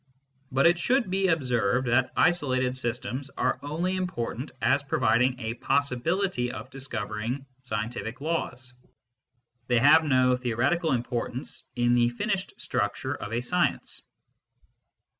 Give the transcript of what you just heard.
But it should be observed that isolated systems are only important as providing a possibility of discovering scientific laws ; they have no theoretical importance in the finished structure of a science.